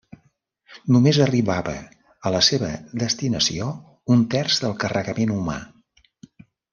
Només arribava a la seva destinació un terç del carregament humà.